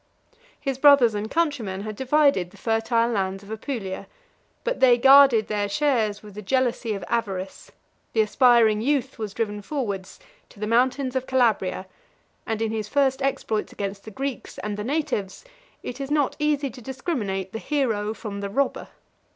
His brothers and countrymen had divided the fertile lands of Apulia; but they guarded their shares with the jealousy of avarice; the aspiring youth was driven forwards to the mountains of Calabria, and in his first exploits against the Greeks and the natives, it is not easy to discriminate the hero from the robber.